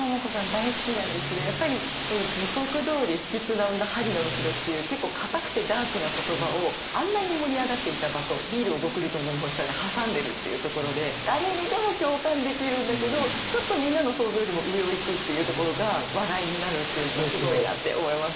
大好きなんですけどやっぱり「地獄通り」「不吉な女」「針の筵」っていう結構かたくてダークな言葉を「あんなに盛り上がっていた場」と「ビールをゴクリと飲み干した」で挟んでるっていうところで誰にでも共感できるんだけどちょっとみんなの想像よりも上を行くっていうところが笑いになるっていうのがすごいなって思います。